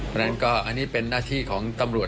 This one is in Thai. เพราะฉะนั้นก็อันนี้เป็นหน้าที่ของตำรวจ